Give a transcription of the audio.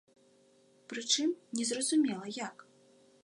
Прычым не зразумела як.